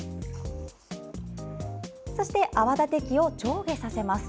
そして泡立て器を上下させます。